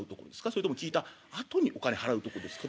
それとも聞いたあとにお金払うとこですか？